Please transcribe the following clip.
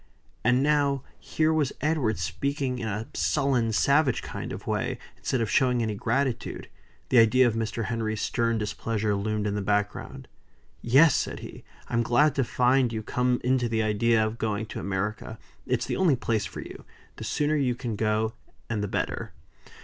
And now here was Edward speaking in a sullen, savage kind of way, instead of showing any gratitude. The idea of Mr. Henry's stern displeasure loomed in the background. "Yes!" said he, "I'm glad to find you come into the idea of going to America. It's the only place for you. The sooner you can go, and the better."